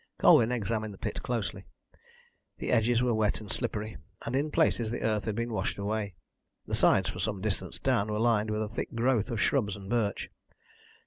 Colwyn examined the pit closely. The edges were wet and slippery, and in places the earth had been washed away. The sides, for some distance down, were lined with a thick growth of shrubs and birch.